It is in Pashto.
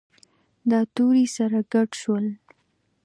دا توري سره ګډ شول.